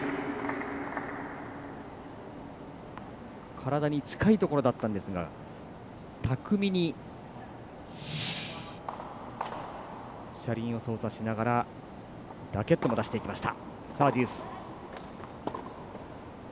体に近いところだったんですが巧みに車輪を操作しながらラケットも出していきました。